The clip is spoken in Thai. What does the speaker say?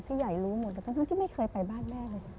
ใหญ่รู้หมดแต่ทั้งที่ไม่เคยไปบ้านแม่เลย